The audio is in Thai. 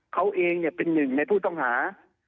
เขาเองเป็นหนึ่งในผู้ต้องหา